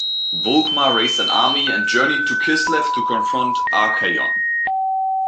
Volkmar raised an army and journeyed to Kislev to confront Archaon.